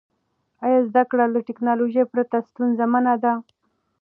آیا زده کړه له ټیکنالوژۍ پرته ستونزمنه ده؟